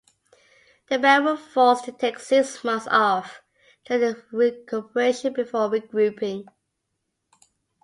The band were forced to take six months off during his recuperation before regrouping.